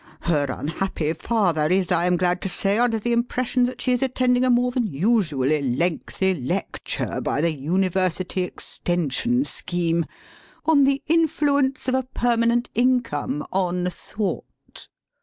Her unhappy father is, I am glad to say, under the impression that she is attending a more than usually lengthy lecture by the University Extension Scheme on the Influence of a permanent income on Thought.